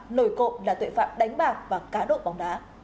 nổi cộng là tội phạm đánh bạc và cá độ bóng đá